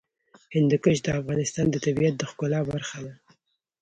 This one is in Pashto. هندوکش د افغانستان د طبیعت د ښکلا برخه ده.